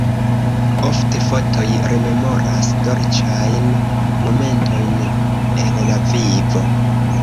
Ofte fotoj rememoras dolĉajn momentojn el la vivo.